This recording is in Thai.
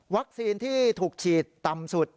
วัคซีนที่ถูกฉีดต่ำสุด